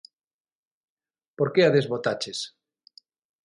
Por que a desbotaches?